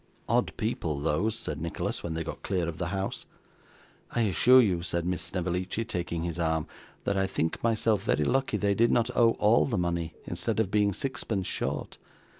'Odd people those,' said Nicholas, when they got clear of the house. 'I assure you,' said Miss Snevellicci, taking his arm, 'that I think myself very lucky they did not owe all the money instead of being sixpence short.